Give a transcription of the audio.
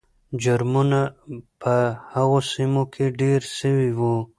جرمونه په هغو سیمو کې ډېر سوي وو.